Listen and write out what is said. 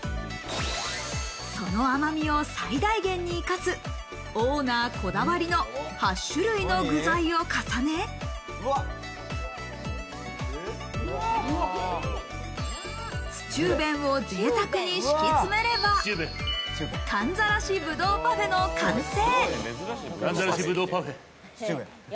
その甘みを最大限に生かすオーナーこだわりの８種類の具材を重ね、スチューベンをぜいたくに敷き詰めれば、寒ざらしぶどうパフェの完成。